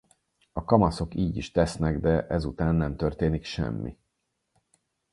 A kamaszok így is tesznek de ezután nem történik semmi.